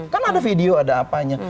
kan ada video ada apanya